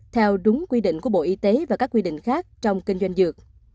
theo đúng quy định của bộ y tế và các quy định khác trong kinh doanh dược